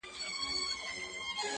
تر قدمه يې په زر ځله قربان سول.!